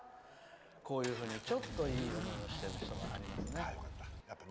こういうふうに、ちょっといい思いをしている人がいますね。